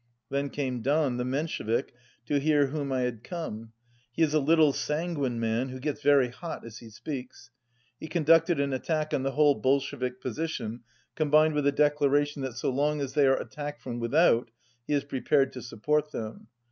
Then came Dan, the Menshevik, to hear whom I had come. He is a little, sanguine man, who gets very hot as he speaks. He conducted an attack on the whole Bolshevik position combined with a declaration that so long as they are attacked from without he is prepared to support them.